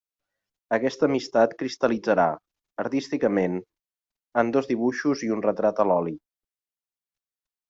Aquesta amistat cristal·litzarà, artísticament, en dos dibuixos i un retrat a l'oli.